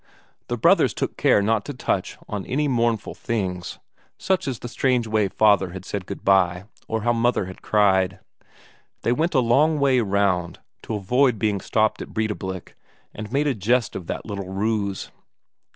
The brothers took care not to touch on any mournful things, such as the strange way father had said good bye, or how mother had cried. They went a long way round to avoid being stopped at Breidablik, and made a jest of that little ruse.